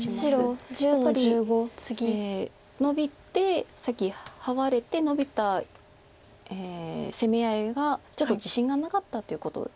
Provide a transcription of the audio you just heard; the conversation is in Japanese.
やっぱりノビてさっきハワれてノビた攻め合いがちょっと自信がなかったということですか。